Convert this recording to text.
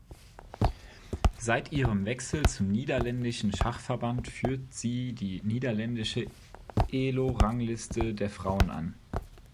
Seit ihrem Wechsel zum niederländischen Schachverband führt sie die niederländische Elo-Rangliste der Frauen an.